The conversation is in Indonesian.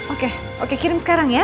oke kirim sekarang ya